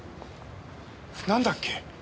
なんだっけ？